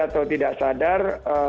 atau tidak sadar